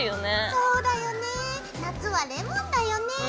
そうだよね夏はレモンだよね。